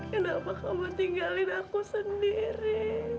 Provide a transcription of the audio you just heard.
kenapa kamu tinggalin aku sendiri